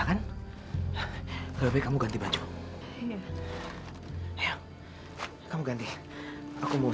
aku sudah bisa pod helm aprender jalan jalan untuk semula